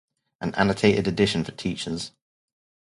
An annotated edition for teachers.